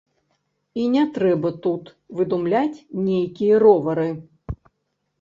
І не трэба тут выдумляць нейкія ровары.